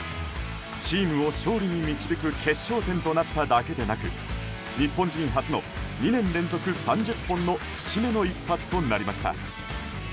チームを勝利に導く決勝点となっただけでなく日本人初の２年連続３０本の節目の一発となりました。